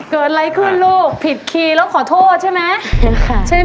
เกิดอะไรคืนล่ะลูกผิดคีย์แล้วขอโทษใช่มั้ย